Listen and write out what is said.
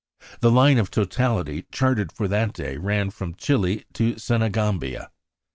The line of totality charted for that day ran from Chili to Senegambia.